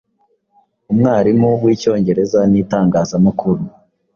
Umwarimu wicyongereza nitangazamakuru